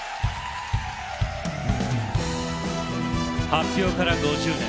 発表から５０年。